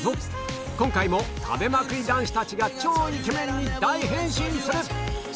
今回も食べまくり男子たちが超イケメンに大変身する！